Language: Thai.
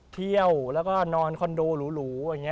เที่ยวแล้วก็นอนคอนโดหลู